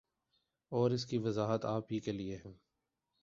اور اس کی وضاحت آپ ہی کیلئے ہیں